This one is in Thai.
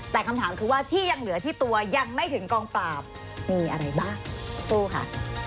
แต่คำถามคือว่าที่ยังเหลือที่ตัวยังไม่ถึงกองปราบมีอะไรบ้างสักครู่ค่ะ